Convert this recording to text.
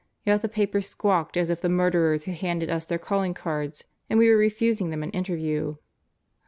Yet the papers squawked as if the murderers had handed us their calling cards and we were refusing them an interview."